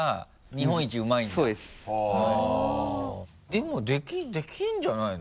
でもできるんじゃないの？